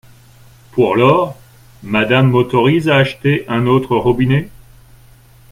Pour lors, Madame m’autorise à acheter un autre robinet ?